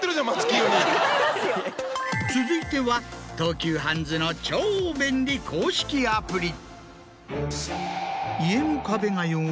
続いては東急ハンズの超便利公式アプリ。